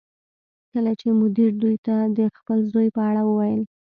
کله چې مدیر دوی ته د خپل زوی په اړه وویل